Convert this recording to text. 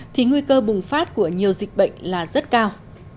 thì nguy cơ bùng phát của nhiều dịch bệnh là rất cao